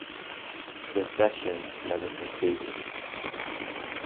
The sessions never concluded.